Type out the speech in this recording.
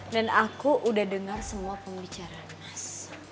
dan aku udah dengar semua pembicaraan mas